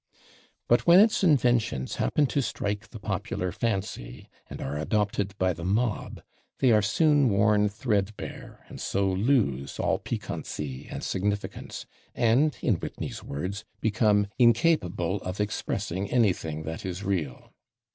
But when its inventions happen to strike the popular fancy and are adopted by the mob, they are soon worn thread bare and so lose all piquancy and significance, and, in Whitney's words, become "incapable of expressing anything that is real."